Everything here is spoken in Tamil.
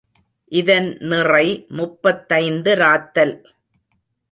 இதன் நிறை முப்பத்தைந்து ராத்தல்.